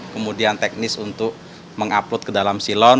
kemudian teknis untuk mengupload ke dalam silon